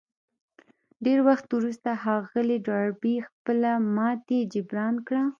ډېر وخت وروسته ښاغلي ډاربي خپله ماتې جبران کړه.